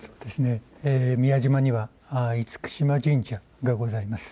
宮島には厳島神社がございます。